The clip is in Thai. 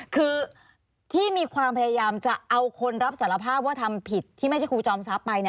คือที่มีความพยายามจะเอาคนรับสารภาพว่าทำผิดที่ไม่ใช่ครูจอมทรัพย์ไป